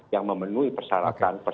yang memenuhi persyaratan